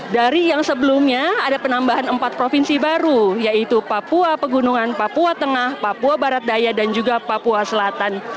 dari yang sebelumnya ada penambahan empat provinsi baru yaitu papua pegunungan papua tengah papua barat daya dan juga papua selatan